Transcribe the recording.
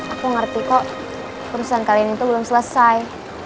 aku ngerti kok urusan kalian itu belum selesai